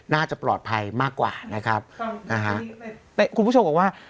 น่าจะปลอดภัยมากกว่านะครับนะฮะแต่คุณผู้ชมบอกว่า